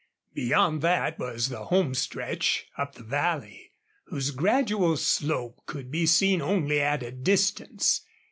Beyond that was the home stretch up the valley, whose gradual slope could be seen only at a distance.